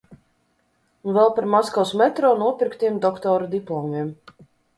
Un vēl par Maskavas metro nopirktiem doktora diplomiem.